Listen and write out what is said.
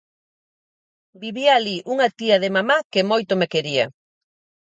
Vivía alí unha tía de mamá que moito me quería.